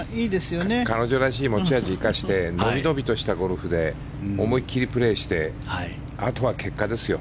彼女らしい持ち味生かして伸び伸びとしたゴルフで思い切りプレーしてあとは結果ですよ。